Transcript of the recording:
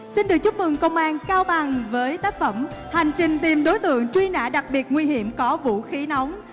xin được chúc mừng công an cao bằng với tác phẩm hành trình tìm đối tượng truy nã đặc biệt nguy hiểm có vũ khí nóng